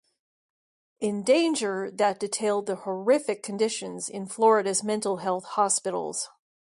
In danger that detailed the horrific conditions in Florida's mental health hospitals.